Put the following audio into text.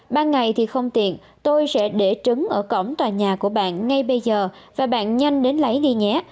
ban ngày thì không tiện tôi sẽ để trứng ở cổng tòa nhà của bạn ngay bây giờ và bạn nhanh đến lấy đi nhé